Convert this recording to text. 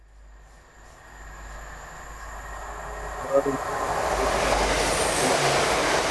She never worked again.